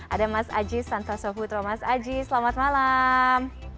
ada mas aji santasofutro mas aji selamat malam